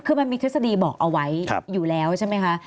คือมันมีทฤษฎีบอกเอาไว้อยู่แล้วใช่ไหมคะ